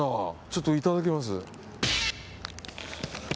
ちょっといただきます。